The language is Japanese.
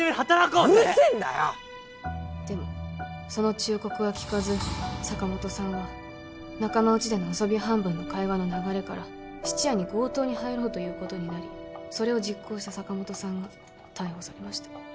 うるせえんだよでもその忠告は聞かず坂本さんは仲間内での遊び半分の会話の流れから質屋に強盗に入ろうということになりそれを実行した坂本さんが逮捕されました